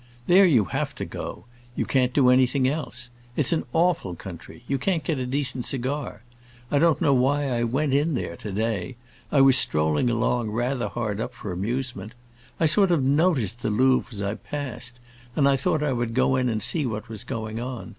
There you have to go; you can't do anything else. It's an awful country; you can't get a decent cigar. I don't know why I went in there, to day; I was strolling along, rather hard up for amusement. I sort of noticed the Louvre as I passed, and I thought I would go in and see what was going on.